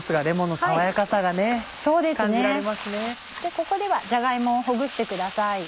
ここではじゃが芋をほぐしてください。